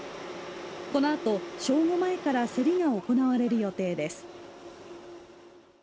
このあと正午前から競りが行われる予定です。